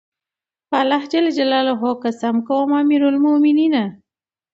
په الله قسم کوم امير المؤمنینه!